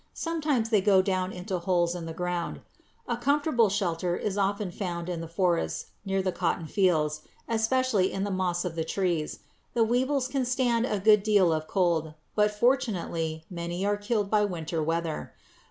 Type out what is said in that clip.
Sometimes they go down into holes in the ground. A comfortable shelter is often found in the forests near the cotton fields, especially in the moss on the trees. The weevils can stand a good deal of cold, but fortunately many are killed by winter weather.